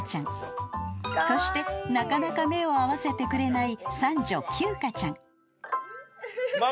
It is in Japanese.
［そしてなかなか目を合わせてくれない］